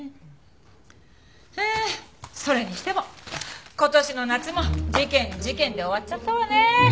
あそれにしても今年の夏も事件事件で終わっちゃったわね。